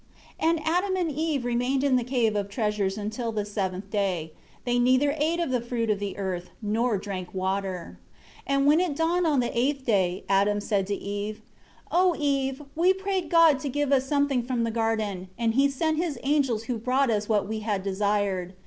1 And Adam and Eve remained in the Cave of Treasures until the seventh day; they neither ate of the fruit the earth, nor drank water. 2 And when it dawned on the eighth day, Adam said to Eve, "O Eve, we prayed God to give us something from the garden, and He sent his angels who brought us what we had desired.